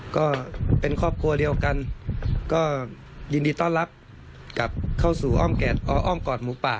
ก็เป็นครอบครัวเดียวกันก็ยินดีต้อนรับกลับเข้าสู่อ้อมอ้อมกอดหมูป่า